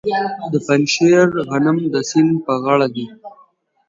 د پنجشیر غنم د سیند په غاړه دي.